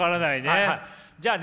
じゃあね